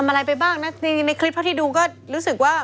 อะไรไปบ้างนะในคลิปเท่าที่ดูก็รู้สึกว่า